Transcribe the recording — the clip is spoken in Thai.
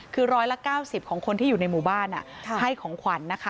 คือ๑๙๐ของคนที่อยู่ในหมู่บ้านให้ของขวัญนะคะ